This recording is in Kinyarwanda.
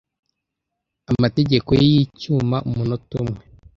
amategeko ye yicyuma umunota umwe